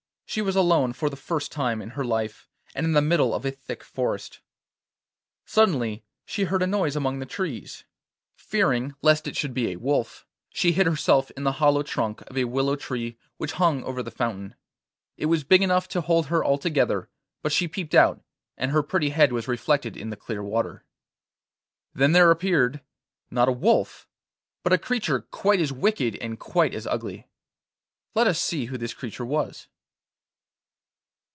She was alone for the first time in her life, and in the middle of a thick forest. Suddenly she heard a noise among the trees. Fearing lest it should be a wolf, she hid herself in the hollow trunk of a willow tree which hung over the fountain. It was big enough to hold her altogether, but she peeped out, and her pretty head was reflected in the clear water. Then there appeared, not a wolf, but a creature quite as wicked and quite as ugly. Let us see who this creature was.